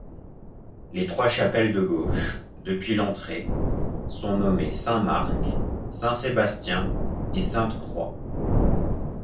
Les trois chapelles de gauche, depuis l'entrée, sont nommées Saint-Marc, Saint-Sébastien et Sainte-Croix.